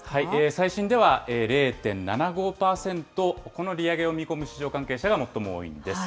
最新では０．７５％、この利上げを見込む市場関係者が最も多いんです。